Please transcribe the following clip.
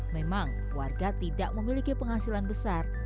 memang warga tidak memiliki penghasilan besar